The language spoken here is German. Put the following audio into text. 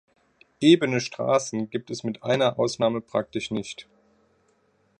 Ebene Straßen gibt es mit einer Ausnahme praktisch nicht.